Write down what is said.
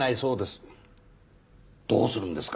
どうするんですか